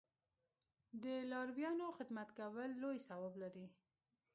د لارویانو خدمت کول لوی ثواب لري.